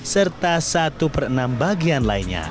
serta satu per enam bagian lainnya